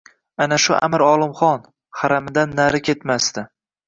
— Ana shu amir Olimxon... haramidan nari ketmasdi.